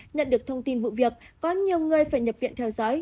nhận được thông tin vụ việc có nhiều người phải nhập viện theo dõi